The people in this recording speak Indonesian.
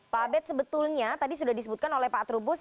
pak abed sebetulnya tadi sudah disebutkan oleh pak trubus